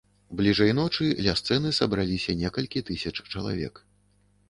Бліжэй ночы ля сцэны сабралася некалькі тысяч чалавек.